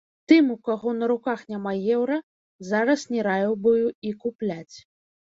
Тым, у каго на руках няма еўра, зараз не раіў бы і купляць.